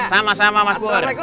sama sama mas pur